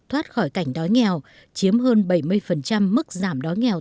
thoát khỏi cảnh đói nghèo